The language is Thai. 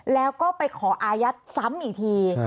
แล้วก็ไปขออายัดซ้ำอีกที